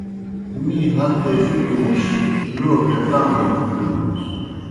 می ہت دہ جوک گہ نِش، لو بیٹان٘گوْ بِلوْنُس۔